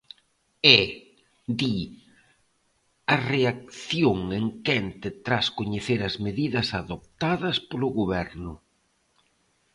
É, di, a reacción en quente tras coñecer as medidas adoptadas polo Goberno.